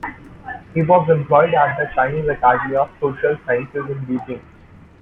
He was employed at the Chinese Academy of Social Sciences in Beijing.